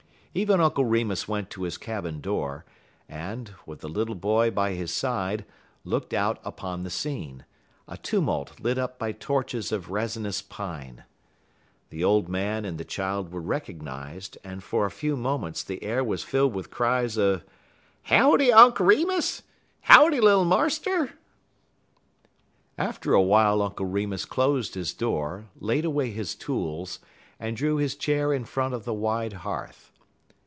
Even Uncle Remus went to his cabin door, and, with the little boy by his side, looked out upon the scene, a tumult lit up by torches of resinous pine. The old man and the child were recognized, and for a few moments the air was filled with cries of: "Howdy, Unk Remus! Howdy, little Marster!" After a while Uncle Remus closed his door, laid away his tools, and drew his chair in front of the wide hearth.